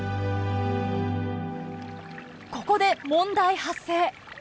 ここで問題発生！